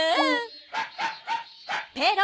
ペロ！